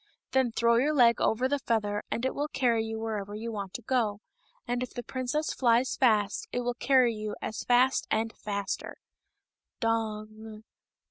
Then throw your leg over the feather, and it will carry you wherever you want to go ; and if the princess flies fast it will carry you as fast and faster.'' " Dong